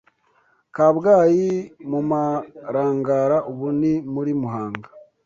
Kabgayi mu Marangara ubu ni muri Muhanga)